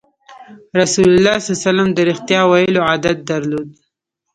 رسول الله ﷺ د رښتیا ویلو عادت درلود.